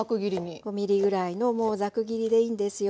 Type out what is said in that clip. ５ｍｍぐらいのざく切りでいいんですよ。